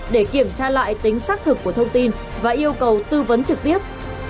để kiểm tra lại tính xác thực của thông tin và yêu cầu tư vấn trực tiếp